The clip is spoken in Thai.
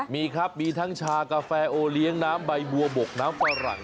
มีครับมีทั้งชากาแฟโอเลี้ยงน้ำใบบัวบกน้ำฝรั่ง